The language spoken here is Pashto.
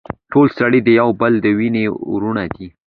ټول سړي د يو بل د وينې وروڼه دي.